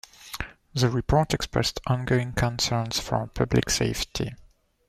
The report expressed ongoing concerns for public safety.